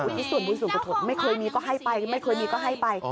ที่ส่วนบุญส่วนปฐมไม่เคยมีก็ให้ไปไม่เคยมีก็ให้ไป